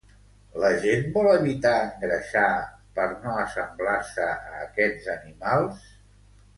La gent vol evitar engreixar per no assemblar-se a aquests animals?